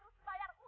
dua hari lagi